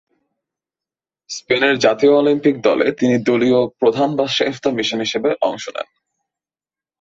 স্পেনের জাতীয় অলিম্পিক দলে তিনি দলীয় প্রধান বা সেফ দ্য মিশন হিসেবে অংশ নেন।